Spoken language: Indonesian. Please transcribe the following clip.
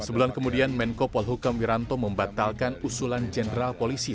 sebulan kemudian menko polhukam wiranto membatalkan usulan jenderal polisi